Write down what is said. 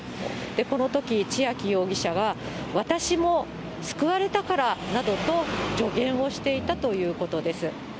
このとき、千秋容疑者が、私も救われたからなどと助言をしていたということです。